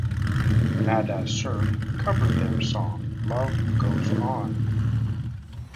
Nada Surf covered their song Love Goes On!